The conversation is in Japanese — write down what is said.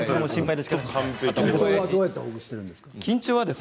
緊張は、どうやってほぐしているんですか？